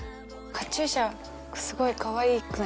カチューシャすごいかわいくないですか。